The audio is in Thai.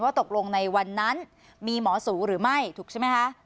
ว่าตกลงในวันนั้นมีหมอสุธินารีเวชหรือไม่